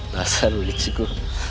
basar lu ciko